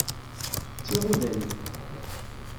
D tiɣudanin.